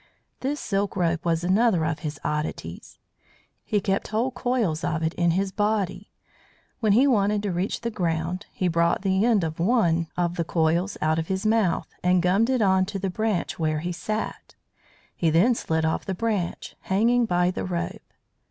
This silk rope was another of his oddities. He kept whole coils of it in his body. When he wanted to reach the ground he brought the end of one of the coils out of his mouth and gummed it on to the branch where he sat. He then slid off the branch, hanging by the rope.